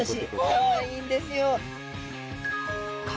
かわいいんですよ。